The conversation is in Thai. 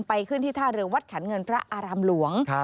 ขึ้นที่ท่าเรือวัดขันเงินพระอารามหลวง